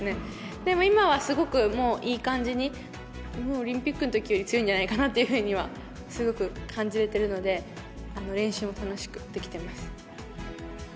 でも今はすごくいい感じに、オリンピックのときより強いんじゃないかなというふうにはすごく感じれてるので、練習も楽しくできています。